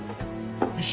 よし。